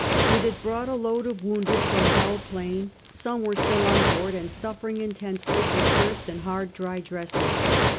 It had brought a load of wounded from Belle Plain ; some were still on board, and suffering intensely from thirst, and hard, dry dressings.